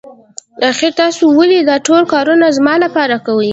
آخر تاسو ولې دا ټول کارونه زما لپاره کوئ.